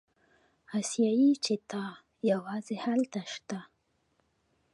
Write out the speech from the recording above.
اسیایي چیتا یوازې هلته شته.